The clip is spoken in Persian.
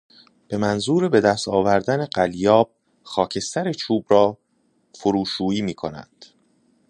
به منظور بهدست آوردن قلیاب خاکستر چوب را فروشویی میکنند.